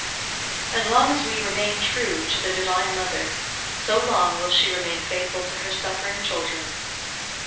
As long as we remain true to the Divine Mother, so long will she remain faithful to her suffering children.